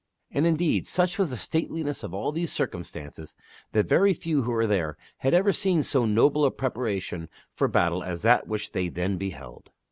And indeed, such was the stateliness of all these circumstances that very few who were there had ever seen so noble a preparation for battle as that which they then beheld.